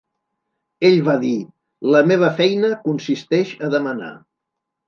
Ell va dir: La meva feina consisteix a demanar.